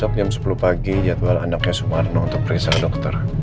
kata randy besok jam sepuluh pagi jadwal anaknya sumarno untuk pergi ke salah dokter